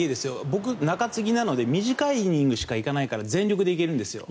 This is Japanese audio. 僕、中継ぎなので短いイニングしかいかないから全力で行けるんですよ。